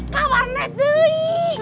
kawan naik dulu iiih